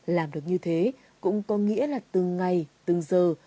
làm được như thế cũng có nghĩa là từng ngày từng giờ